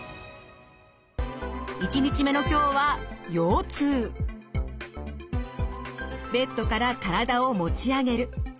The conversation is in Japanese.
１日目の今日はベッドから体を持ち上げる。